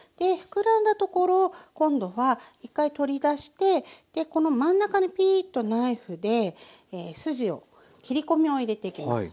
膨らんだところ今度は１回取り出してこの真ん中にピーッとナイフで筋を切り込みを入れてきます。